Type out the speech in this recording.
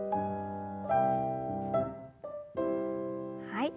はい。